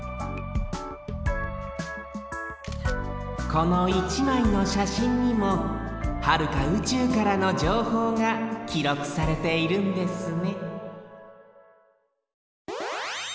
この１まいのしゃしんにもはるかうちゅうからのじょうほうがきろくされているんですね